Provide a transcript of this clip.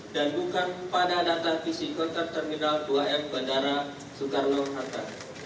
dan bukan pada data visi kontak terminal dua m bandara soekarno hatta